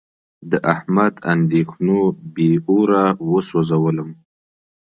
د احمد اندېښنو بې اوره و سوزولم.